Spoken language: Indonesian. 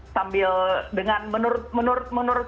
sambil dengan menurut